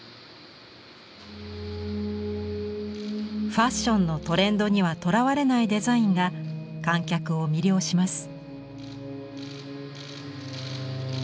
ファッションのトレンドにはとらわれないデザインが観客を魅了します。